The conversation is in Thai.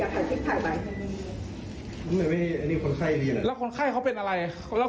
ฉันไม่เจ็บจริงผมไม่พามาหรอกครับ